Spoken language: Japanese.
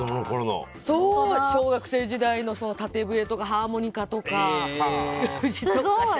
小学生時代の縦笛とかハーモニカとか。